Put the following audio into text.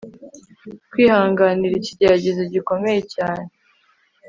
kwihanganira ikigeragezo gikomeye cyane